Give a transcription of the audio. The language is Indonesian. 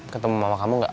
ketemu sama kamu gak